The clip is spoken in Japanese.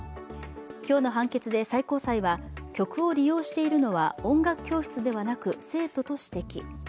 今日の判決で最高裁は曲を利用しているのは音楽教室ではなく生徒と指摘。